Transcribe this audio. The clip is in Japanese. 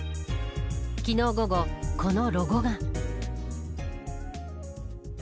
昨日午後、このロゴが。